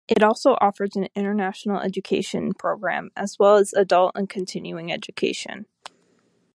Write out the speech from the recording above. It also offers an international education program, as well as adult and continuing education.